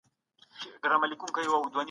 په سیاست کي فزیکي ځواک نه کارول کیږي.